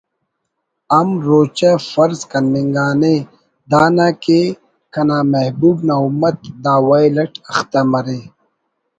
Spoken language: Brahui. ہم روچہ فرض کننگانے دانہ کہ کنا محبوب نا امت دا ویل اٹ اختہ مرے